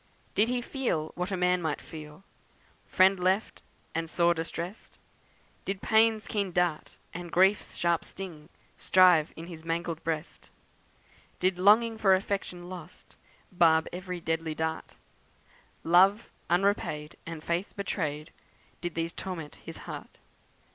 Did he feel what a man might feel, Friend left, and sore distrest? Did Pain's keen dart, and Grief's sharp sting Strive in his mangled breast? Did longing for affection lost Barb every deadly dart; Love unrepaid, and Faith betrayed, Did these torment his heart?